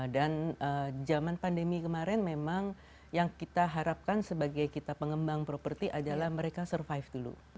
dan zaman pandemi kemarin memang yang kita harapkan sebagai kita pengembang property adalah mereka survive dulu